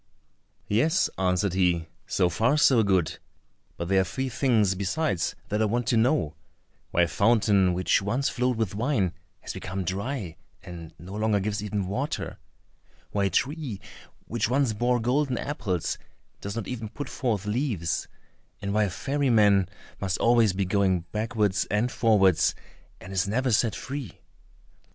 "Yes," answered he, "so far, so good; but there are three things besides that I want to know: why a fountain which once flowed with wine has become dry, and no longer gives even water; why a tree which once bore golden apples does not even put forth leaves; and why a ferry man must always be going backwards and forwards, and is never set free?"